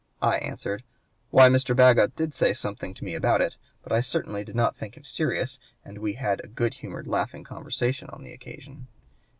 I answered, 'Why, Mr. Bagot did say something to me about it; but I certainly did not think him serious, and we had a good humored laughing conversation on the occasion.'